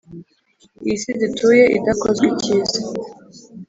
iyi si dutuye idakozwa icyiza